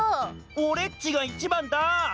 おれっちがいちばんだ！